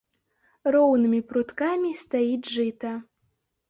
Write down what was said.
Роўнымі пруткамі стаіць жыта.